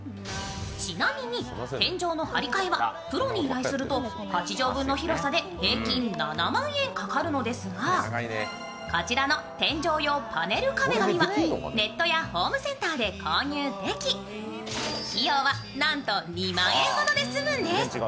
ちなみに天井の貼り替えは、プロに依頼すると、８畳分の広さで平均７万円かかるのですが、こちらの天井用パネル壁紙はネットやホームセンターで購入でき、費用はなんと２万円ほどで済むんです。